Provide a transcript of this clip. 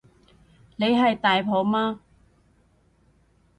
你係大婆嘛